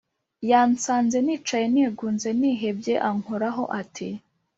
yansanze nicaye nigunze nihebye ankoraho ati :